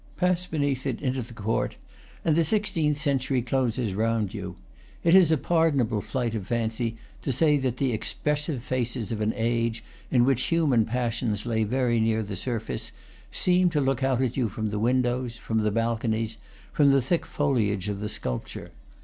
Pass beneath it into the court, and the sixteenth century closes round you. It is a pardonable flight of fancy to say that the expressive faces of an age in which human passions lay very near the surface seem to look out at you from the windows, from the balconies, from the thick foliage of the sculpture.